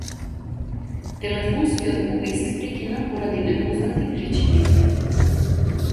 Телефонскиот повик се прекина поради непознати причини.